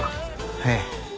ええ。